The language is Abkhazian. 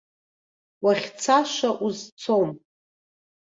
Уахьцаша узцом.